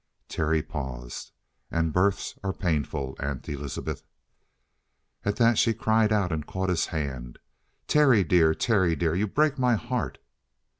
Terry paused. "And births are painful, Aunt Elizabeth!" At that she cried out and caught his hand. "Terry dear! Terry dear! You break my heart!"